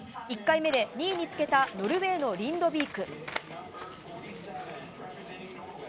１回目で２位につけたノルウェーのリンドビーク。